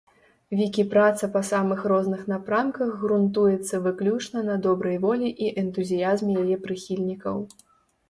Вікіпраца па самых розных напрамках грунтуецца выключна на добрай волі і энтузіязме яе прыхільнікаў.